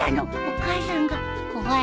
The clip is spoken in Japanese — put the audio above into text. お母さんが怖い。